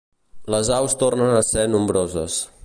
Les aus tornen a ser nombroses.